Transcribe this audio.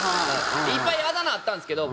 いっぱいあだ名あったんですけど